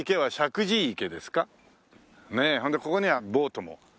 ねえほんでここにはボートも。